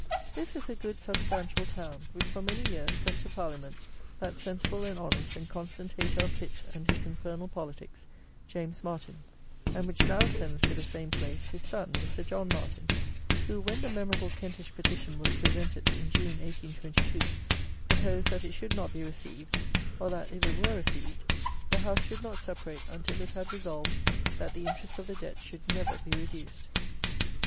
This is a good, substantial town, which, for many years, sent to Parliament that sensible and honest and constant hater of Pitt and his infernal politics, James Martin, and which now sends to the same place his son, Mr. John Martin, who, when the memorable Kentish Petition was presented, in June 1822, proposed that it should not be received, or that, if it were received, "the House should not separate, until it had resolved, that the interest of the Debt should never be reduced"!